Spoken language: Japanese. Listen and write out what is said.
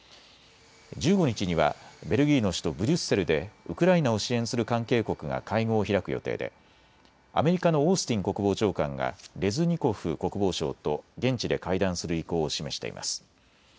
１５日にはベルギーの首都ブリュッセルでウクライナを支援する関係国が会合を開く予定でアメリカのオースティン国防長官がレズニコフ国防相と現地で会談する意向を示しています。